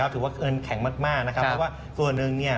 ถือว่าเกินแข็งมากนะครับเพราะว่าส่วนหนึ่งเนี่ย